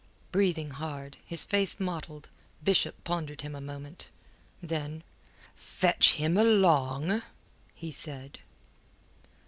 Breathing hard, his face mottled, Bishop pondered him a moment. Then: "Fetch him along," he said.